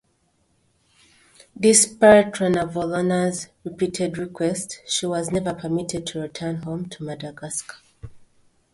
Despite Ranavalona's repeated requests, she was never permitted to return home to Madagascar.